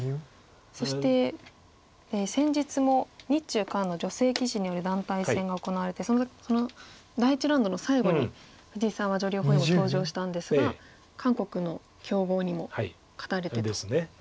そして先日も日中韓の女性棋士による団体戦が行われてその第１ラウンドの最後に藤沢女流本因坊登場したんですが韓国の強豪にも勝たれてと。